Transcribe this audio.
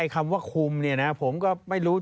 คำว่าคุมเนี่ยนะผมก็ไม่รู้